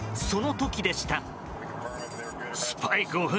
その時でした。